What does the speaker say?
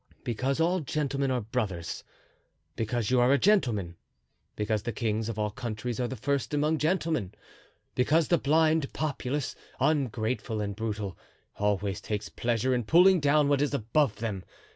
"Because all gentlemen are brothers, because you are a gentleman, because the kings of all countries are the first among gentlemen, because the blind populace, ungrateful and brutal, always takes pleasure in pulling down what is above them.